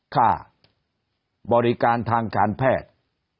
ค่าบริการทางการแพทย์